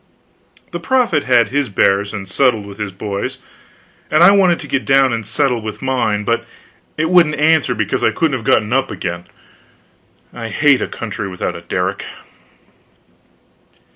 The prophet had his bears and settled with his boys; and I wanted to get down and settle with mine, but it wouldn't answer, because I couldn't have got up again. I hate a country without a derrick.